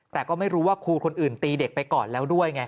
แต่ก็ไม่รู้ว่าครูคนอื่นตีเด็กไปก่อนแล้วด้วยไง